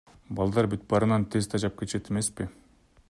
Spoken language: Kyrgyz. Балдар бүт баарынан эле тез тажап кетишет эмеспи.